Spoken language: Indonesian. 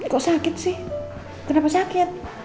kok sakit sih kenapa sakit